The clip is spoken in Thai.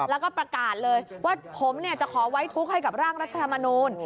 แล้วก็ประกาศเลยว่าผมจะขอไว้ทุกข์ให้กับร่างรัฐธรรมนูล